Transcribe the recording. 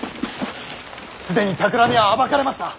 既にたくらみは暴かれました。